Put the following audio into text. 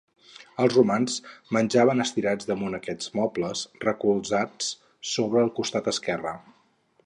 Els romans menjaven estirats damunt aquests mobles, recolzats sobre el costat esquerre.